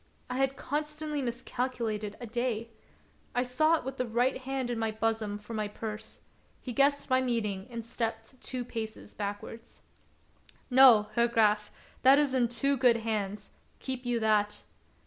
I had constantly miscalculated a day. I sought with the right hand in my bosom for my purse ; he guessed my meaning and stepped two paces backwards. "No, Herr Graf, that is in too good hands; keep you that."